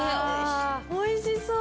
おいしそう。